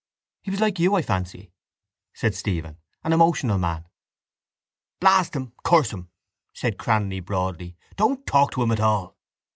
_ —He was like you, I fancy, said Stephen, an emotional man. —Blast him, curse him! said Cranly broadly. Don't talk to him at all.